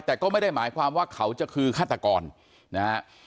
แต่ก็ไม่ได้หมายความว่าเขาจะคือฆาตกรนะฮะ